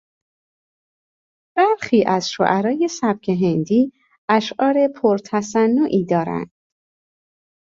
برخی از شعرای سبک هندی اشعار پرتصنعی دارند.